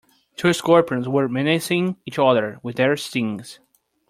Two scorpions were menacing each other with their stings.